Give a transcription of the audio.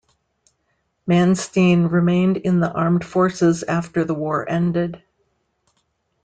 Manstein remained in the armed forces after the war ended.